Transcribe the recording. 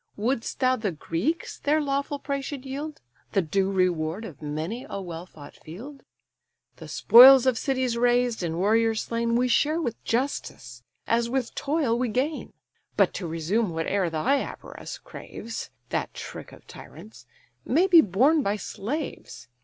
Would'st thou the Greeks their lawful prey should yield, The due reward of many a well fought field? The spoils of cities razed and warriors slain, We share with justice, as with toil we gain; But to resume whate'er thy avarice craves (That trick of tyrants) may be borne by slaves.